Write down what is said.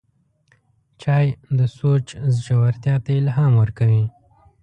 چای د سوچ ژورتیا ته الهام ورکوي